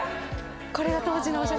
これが当時のお写真。